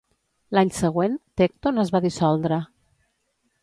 L'any següent Tecton es va dissoldre.